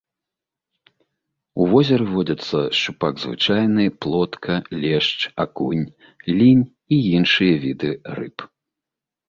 У возеры водзяцца шчупак звычайны, плотка, лешч, акунь, лінь і іншыя віды рыб.